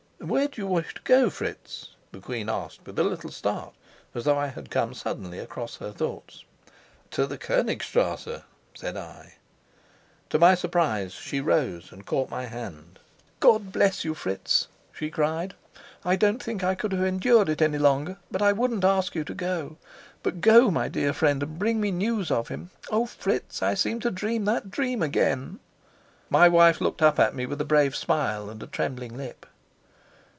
"Where do you wish to go, Fritz?" the queen asked with a little start, as though I had come suddenly across her thoughts. "To the Konigstrasse," said I. To my surprise she rose and caught my hand. "God bless you, Fritz!" she cried. "I don't think I could have endured it longer. But I wouldn't ask you to go. But go, my dear friend, go and bring me news of him. Oh, Fritz, I seem to dream that dream again!" My wife looked up at me with a brave smile and a trembling lip.